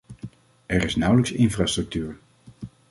Er is nauwelijks infrastructuur.